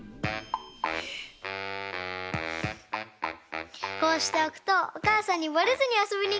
こうしておくとおかあさんにバレずにあそびにいけるんだ！